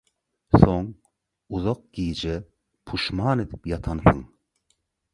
soň uzak gije puşman edip ýatansyň.